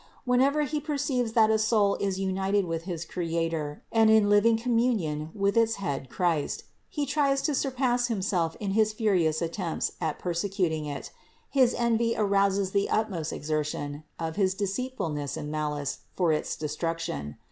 Whenever he perceives that a soul is united with his Creator and in living communion with its head Christ, he tries to surpass himself in his furious attempts at persecuting it; his envy arouses the utmost exertion of his deceitfulness and malice for its destruc tion.